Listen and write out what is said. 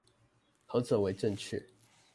何者為正確？